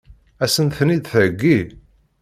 Ad sent-ten-id-theggi?